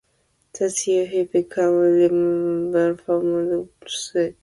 That year he became a member of the Alpha Omega Alpha Honor Medical Society.